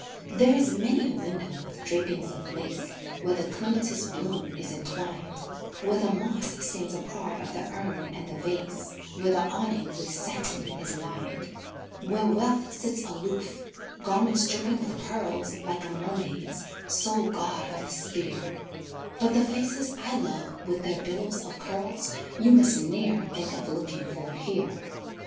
There is many a window with drapings of lace, Where the clematis bloom is entwined, Where the moss seems a part of the urn and the vase, Where the awning with satin is lined, Where Wealth sits aloof garments dripping with pearls Like a Mermaid's sole god of the sphere, But the faces I love with their billows of curls You must ne'er think of looking for here.